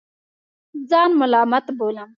ځان ملامت بولم.